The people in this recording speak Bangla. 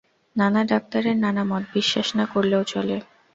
নানা ডাক্তারের নানা মত, বিশ্বাস না করলেও চলে।